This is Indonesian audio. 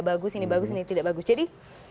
bagus ini bagus ini tidak bagus jadi